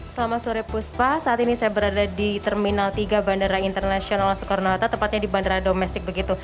selamat sore puspa saat ini saya berada di terminal tiga bandara internasional soekarno hatta tepatnya di bandara domestik begitu